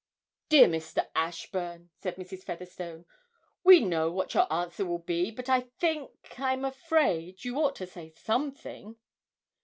'Dear Mr. Ashburn,' said Mrs. Featherstone, 'we know what your answer will be, but I think I'm afraid you ought to say something.'